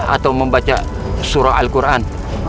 atau membaca surah al quran